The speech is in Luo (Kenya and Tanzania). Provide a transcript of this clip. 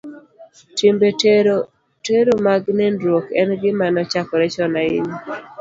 Timbe tero mag nindruok en gima nochakore chon ahinya.